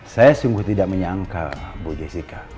saya sungguh tidak menyangka bu jessica